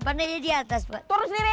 pandanya diatas pak turun sendiri